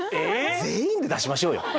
全員で出しましょうよ。